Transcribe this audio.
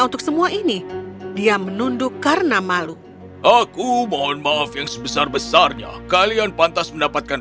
untuk semua ini dia menunduk karena malu aku mohon maaf yang sebesar besarnya kalian pantas mendapatkan